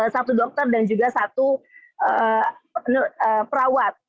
satu dokter dan juga satu perawat